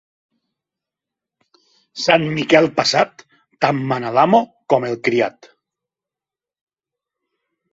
Sant Miquel passat, tant mana l'amo com el criat.